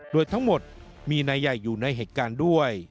โดยทั้งหมดมีนายใหญ่อยู่ในเหตุการณ์ด้วย